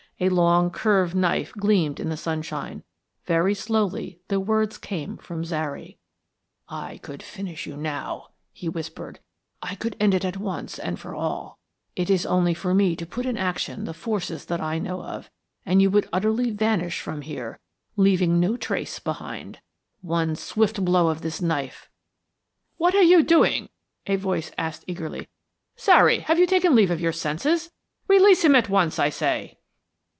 A long curved knife gleamed in the sunshine. Very slowly the words came from Zary. "I could finish you now," he whispered. "I could end it once and for all. It is only for me to put in action the forces that I know of, and you would utterly vanish from here, leaving no trace behind. One swift blow of this knife " "What are you doing?" a voice asked eagerly. "Zary, have you taken leave of your senses? Release him at once, I say."